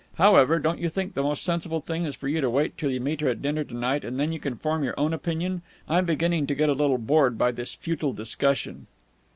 However, don't you think the most sensible thing is for you to wait till you meet her at dinner to night, and then you can form your own opinion? I'm beginning to get a little bored by this futile discussion."